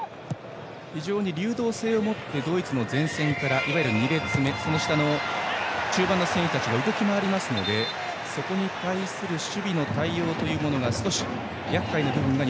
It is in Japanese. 非常に流動性を持ってドイツの前線から中盤の選手たち動き回りますのでそこに対する守備の対応が少しやっかいな部分が